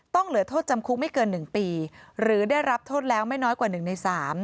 เหลือโทษจำคุกไม่เกิน๑ปีหรือได้รับโทษแล้วไม่น้อยกว่า๑ใน๓